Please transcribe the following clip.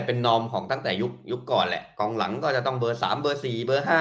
เป็นนอร์มตั้งแต่ยุคก่อนอีกกลางกลางจะต้องเบอร์สามเบอร์สี่เบอร์ห้า